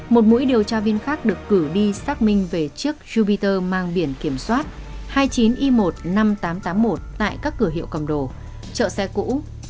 một mũi điều tra viên khác được cử đi xác minh về chiếc jupiter mang biển kiểm soát hai mươi chín i một mươi năm nghìn tám trăm tám mươi một tại các cửa hiệu cầm đồ chợ xe cũ